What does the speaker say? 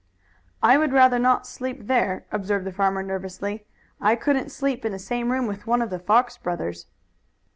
"I would rather not sleep there," observed the farmer nervously. "I couldn't sleep in the same room with one of the Fox brothers."